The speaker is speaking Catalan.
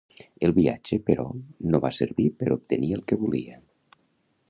El viatge, però, no va servir per obtenir el que volia.